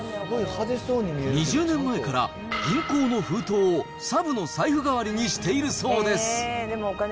２０年前から銀行の封筒をサブの財布代わりにしているそうです。